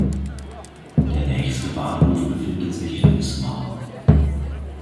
Der nächste Bahnhof befindet sich in Wismar.